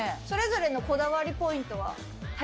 それぞれのこだわりポイントは？